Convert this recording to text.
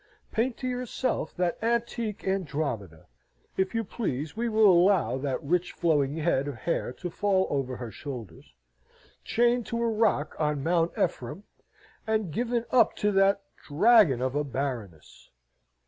Paint to yourself that antique Andromeda (if you please we will allow that rich flowing head of hair to fall over her shoulders) chained to a rock on Mount Ephraim, and given up to that dragon of a Baroness!